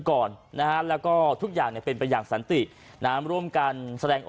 ก่อนนะฮะแล้วก็ทุกอย่างเป็นเป็นอย่างสันติน้ำร่วมการแสดง